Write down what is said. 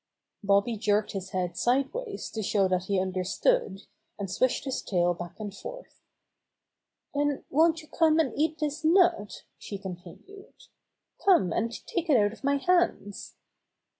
Bobby jerked his head sideways to shovf that he understood, and swished his tail back and forth. "Then won't you come and eat this nut?" she continued. "Come and take it out of my hands."